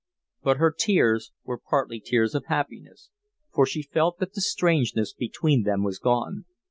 But her tears were partly tears of happiness, for she felt that the strangeness between them was gone.